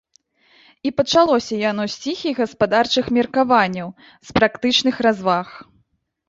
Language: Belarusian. І пачалося яно з ціхіх гаспадарчых меркаванняў, з практычных разваг.